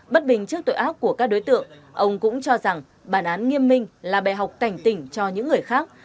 bất bình trước tội ác của các đối tượng ông cũng cho rằng bản án nghiêm minh là bè học cảnh tỉnh cho những người khác